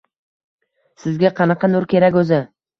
Sizga qanaqa nur kerak oʻzi?